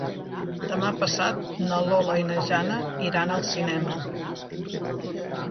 Demà passat na Lola i na Jana iran al cinema.